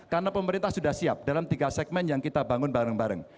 karena pemerintah sudah siap dalam tiga segmen yang kita bangun bareng bareng